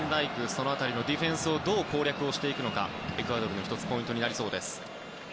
その辺りのディフェンスをどう攻略していくのかがエクアドルのポイントになりそうです。